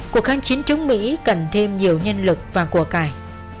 cuộc kháng chiến chống mỹ cần thêm nhiều nhân lực và của cải